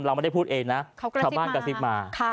เราไม่ได้พูดเองนะ